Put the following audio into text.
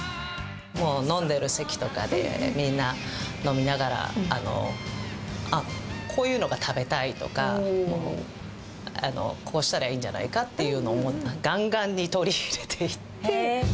飲んでる席とかでみんな飲みながら、あ、こういうのが食べたいとか、こうしたらいいんじゃないかとかをがんがんに取り入れていって。